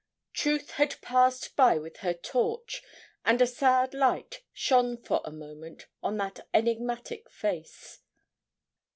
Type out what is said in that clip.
Truth had passed by with her torch, and a sad light shone for a moment on that enigmatic face.